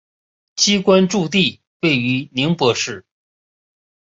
机关驻地位于宁波市。